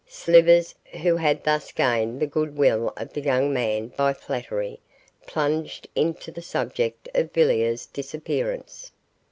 Slivers, who had thus gained the goodwill of the young man by flattery, plunged into the subject of Villiers' disappearance.